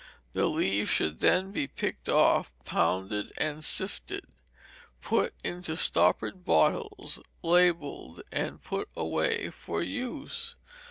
The leaves should then be picked off, pounded and sifted, put into stoppered bottles, labelled, and put away for use.